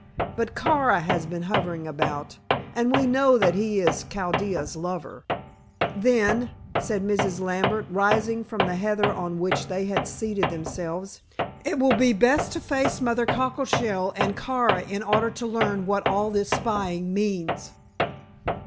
But Kara has been hovering about, and we know that he is Chaldea's lover." "Then," said Mrs. Lambert, rising from the heather on which they had seated themselves, "it will be best to face Mother Cockleshell and Kara in order to learn what all this spying means."